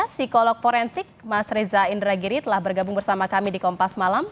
psikolog forensik mas reza indragiri telah bergabung bersama kami di kompas malam